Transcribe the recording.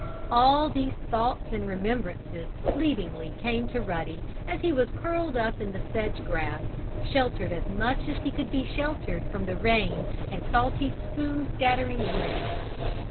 All these thoughts and remembrances fleetingly came to Ruddy as he was curled up in the sedge grass, sheltered as much as he could be sheltered from the rain and salty spume scattering wind.